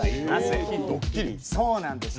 そうなんです。